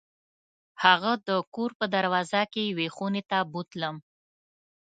هغه د کور په دروازه کې یوې خونې ته بوتلم.